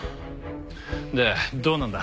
でどうなんだ？